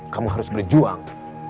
kamu harus berjuang